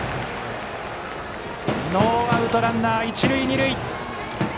ノーアウトランナー、一塁二塁。